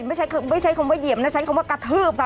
ไม่ใช่คำว่าเหยียบนะใช้คำว่ากระทืบ